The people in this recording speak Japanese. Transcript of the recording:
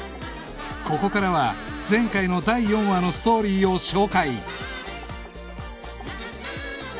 ここからは前回の第４話のストーリーを紹介